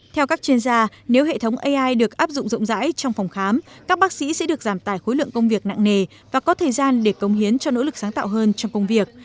theo các chuyên gia nếu hệ thống ai được áp dụng rộng rãi trong phòng khám các bác sĩ sẽ được giảm tài khối lượng công việc nặng nề và có thời gian để công hiến cho nỗ lực sáng tạo hơn trong công việc